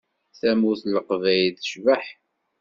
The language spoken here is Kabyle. Tamurt n Leqbayel tecbeḥ.